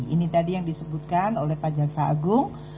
ini tadi yang disebutkan oleh pak jaksa agung